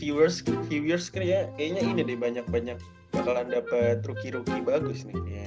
viewers viewers kaya kayaknya ini deh banyak banyak bakalan dapat ruki ruki bagus